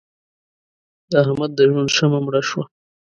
د احمد د ژوند شمع مړه شوه.